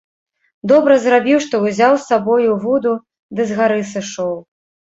Добра зрабіў, што ўзяў з сабою вуду ды з гары сышоў.